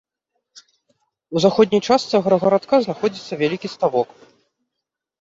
У заходняй частцы аграгарадка знаходзіцца вялікі ставок.